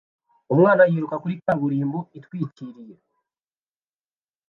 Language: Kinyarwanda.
Umwana yiruka kuri kaburimbo itwikiriye